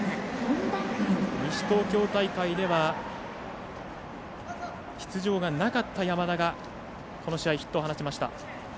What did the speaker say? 西東京大会では出場がなかった山田がこの試合、ヒットを放ちました。